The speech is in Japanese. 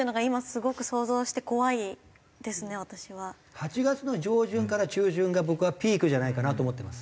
８月の上旬から中旬が僕はピークじゃないかなと思ってます